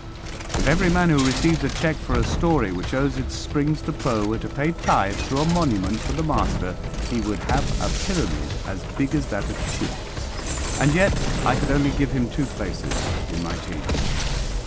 If every man who receives a cheque for a story which owes its springs to Poe were to pay tithe to a monument for the master, he would have a pyramid as big as that of Cheops. And yet I could only give him two places in my team.